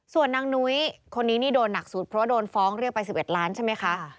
ส่วนนางนุ้ยคนนี้นี่โดนหนักสุดเพราะว่าโดนฟ้องเรียกไป๑๑ล้านใช่ไหมคะ